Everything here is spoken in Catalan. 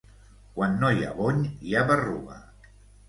Quan no hi ha bony, hi ha berruga.